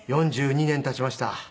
４２年経ちました。